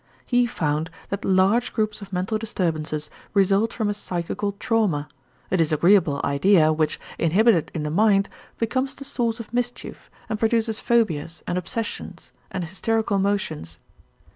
He found that large groups of mental disturbances result from a psychical trauma, a disagreeable idea which, inhibited in the mind, becomes the source of mischief and produces phobias and obsessions and hysterical motions.